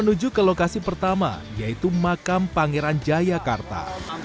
nah kita sudah sampai di makam pangeran jayakarta